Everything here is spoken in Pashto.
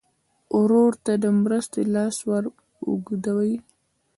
ورور ته د مرستې لاس ور اوږدوې.